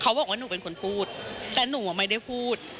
บอกว่าหนูเป็นคนพูดแต่หนูไม่ได้พูด